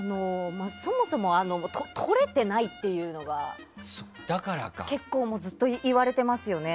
そもそもとれてないっていうのが結構、ずっといわれていますよね。